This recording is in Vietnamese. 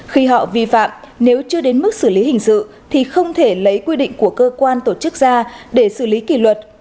khi họ vi phạm nếu chưa đến mức xử lý hình sự thì không thể lấy quy định của cơ quan tổ chức ra để xử lý kỷ luật